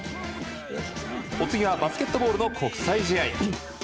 お次はバスケットボールの国際試合。